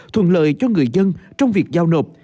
thuận lợi cho người dân trong việc giao nộp